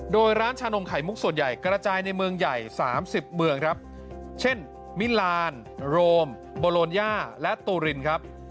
โดยร้านชานมไข่มุกส่วนใหญ่กระจายในเมืองใหญ่๓๐เมืองครับเช่นมิลานโรมโบโลนย่าและตูรินครับ